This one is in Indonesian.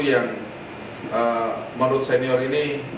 yang menurut senior ini